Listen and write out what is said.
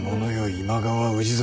今川氏真。